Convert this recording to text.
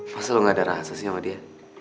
masa lu gak ada rasa sih sama dia